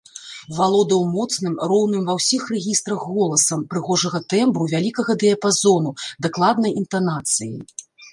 Валодаў моцным, роўным ва ўсіх рэгістрах голасам прыгожага тэмбру вялікага дыяпазону, дакладнай інтанацыяй.